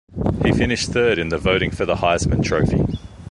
He finished third in the voting for the Heisman Trophy.